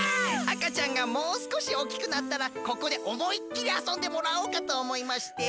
あかちゃんがもうすこしおおきくなったらここでおもいっきりあそんでもらおうかとおもいまして。